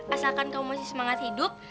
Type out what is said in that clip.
asalkan kamu masih semangat hidup